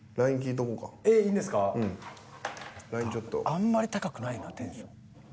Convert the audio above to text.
あんまり高くないなテンション。